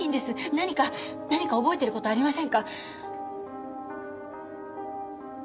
何か何か覚えてる事ありませんか？